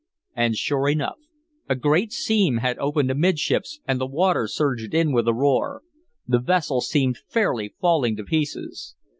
And sure enough, a great seam had opened amidships and the water surged in with a roar. The vessel seemed fairly falling to pieces.